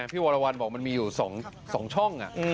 พี่วรวรรณบอกมันมีอยู่๒ช่อง